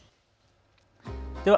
では＃